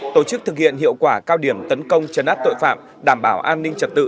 tổ chức thực hiện hiệu quả cao điểm tấn công chấn áp tội phạm đảm bảo an ninh trật tự